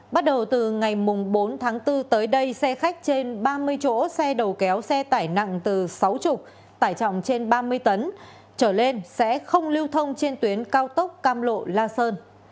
bắt đầu từ ngày bốn tháng bốn tới đây xe khách trên ba mươi chỗ xe đầu kéo xe tải nặng từ sáu mươi tải trọng trên ba mươi tấn trở lên sẽ không lưu thông trên tuyến cao tốc cam lộ la sơn